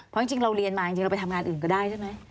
เพราะจริงเราเรียนมาจริงเราไปทำงานอื่นก็ได้ใช่ไหม